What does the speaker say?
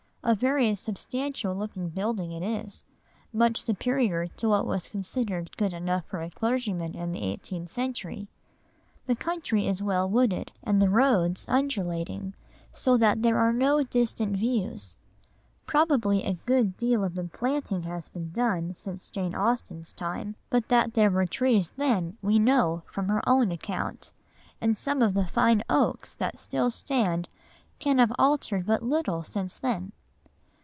A very substantial looking building it is, much superior to what was considered good enough for a clergyman in the eighteenth century. The country is well wooded, and the roads undulating, so that there are no distant views. Probably a good deal of the planting has been done since Jane Austen's time, but that there were trees then we know from her own account, and some of the fine oaks that still stand can have altered but little since then.